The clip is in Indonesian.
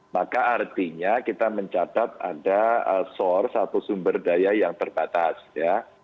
maka artinya kita mencatat ada source atau sumber daya yang terbatas ya